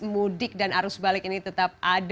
mudik dan arus balik ini tetap ada